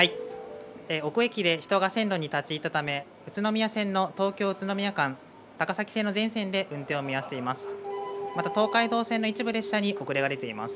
おく駅で線路に人が立ち入ったため、宇都宮線の東京・宇都宮間、高崎線の全線で運転を見合わせています。